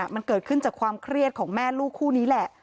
มันเกิดขึ้นจากความเครียดของแม่ลูกคู่นี้แหละ